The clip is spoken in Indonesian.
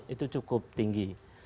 itu cukup tinggi